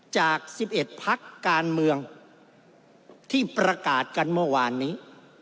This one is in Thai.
จาก๑๑พักการเมืองที่ประกาศกันเมื่อวานนี้